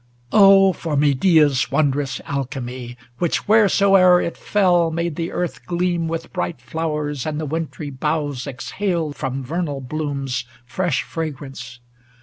Oh, for Medea's wondrous alchemy, Which wheresoe'er it fell made the earth gleam With bright flowers, and the wintry boughs exhale From vernal blooms fresh fragrance